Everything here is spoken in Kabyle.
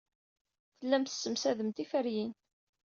Tellam tessemsadem tiferyin.